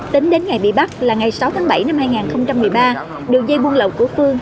tính đến ngày bị bắt là ngày sáu tháng bảy năm hai nghìn một mươi ba đường dây buôn lậu của phương